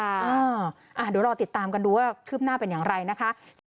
เดี๋ยวรอติดตามกันดูว่าคืบหน้าเป็นอย่างไรนะคะ